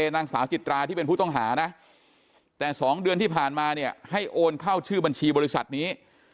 นางสาวจิตราที่เป็นผู้ต้องหานะแต่๒เดือนที่ผ่านมาเนี่ยให้โอนเข้าชื่อบัญชีบริษัทนี้